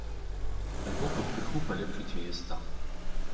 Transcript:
Альбо хоць крыху палепшыць яе стан?